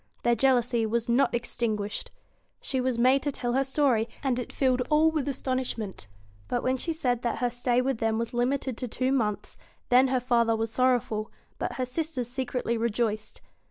Their jealousy was not extinguished. She was made to tell her story, and it filled all with astonishment. But when she said that her stay with them was limited to two months, then /her father was sorrowful, but her sisters secretly v rejoiced.